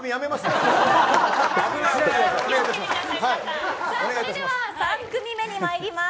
次は３組目にまいります。